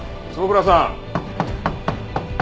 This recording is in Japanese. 坪倉さん。